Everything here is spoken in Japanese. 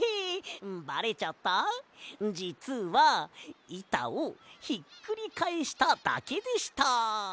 じつはいたをひっくりかえしただけでした。